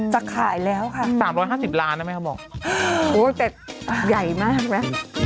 จะขายแล้วค่ะสามร้อยห้าสิบล้านน่ะไหมเขาบอกโอ้วแต่ใหญ่มากน่ะ